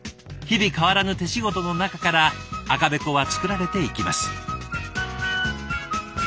日々変わらぬ手仕事の中から赤べこは作られていきます。